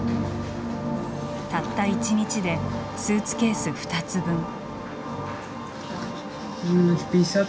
たった１日でスーツケース２つ分。